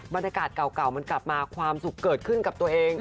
บรรยากาศเก่ามันกลับมาความสุขเกิดขึ้นกับตัวเอง